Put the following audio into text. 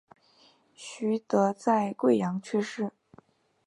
徐的在桂阳去世。